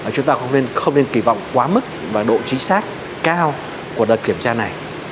chúng ta không nên kỳ vọng quá mức và độ chính xác cao của đợt kiểm tra này